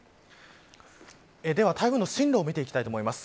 では、台風の進路を見ていきます。